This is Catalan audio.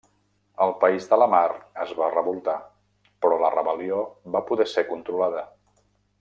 El País de la Mar es va revoltar però la rebel·lió va poder ser controlada.